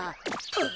あっ！